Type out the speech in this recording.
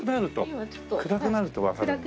暗くなるとわかるんだ。